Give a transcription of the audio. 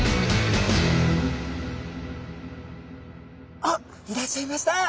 あっいらっしゃいました。